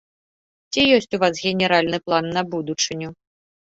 Ці ёсць у вас генеральны план на будучыню?